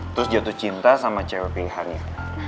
terus jatuh cinta sama cewek pilihannya